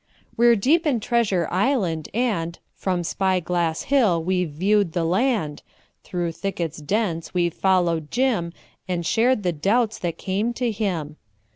We're deep in Treasure Island, and From Spy Glass Hill we've viewed the land; Through thickets dense we've followed Jim And shared the doubts that came to him.